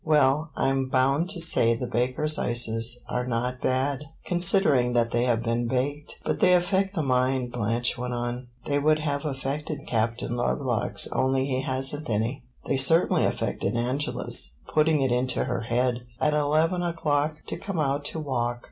Well, I 'm bound to say the baker's ices are not bad." "Considering that they have been baked! But they affect the mind," Blanche went on. "They would have affected Captain Lovelock's only he has n't any. They certainly affected Angela's putting it into her head, at eleven o'clock, to come out to walk."